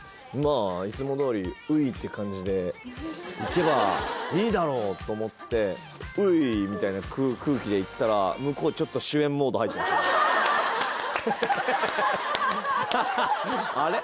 あいつもどおりって感じでいけばいいだろうと思って「うぃ！」みたいな空気で行ったら向こうちょっと「あれ？